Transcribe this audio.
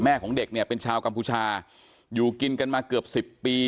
ของเด็กเนี่ยเป็นชาวกัมพูชาอยู่กินกันมาเกือบสิบปี